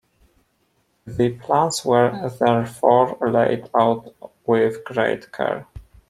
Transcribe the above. The plans were therefore laid out with great care.